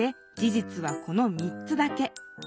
じつはこの３つだけ。